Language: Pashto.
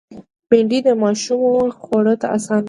بېنډۍ د ماشومو خوړ ته آسانه ده